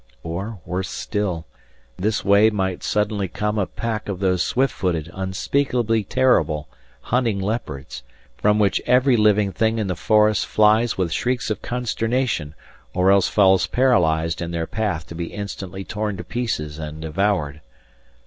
Or, worse still, this way might suddenly come a pack of those swift footed, unspeakably terrible hunting leopards, from which every living thing in the forest flies with shrieks of consternation or else falls paralysed in their path to be instantly torn to pieces and devoured.